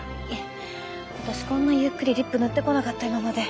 私こんなゆっくりリップ塗ってこなかった今まで。